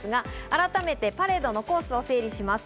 改めてパレードのコースを整理します。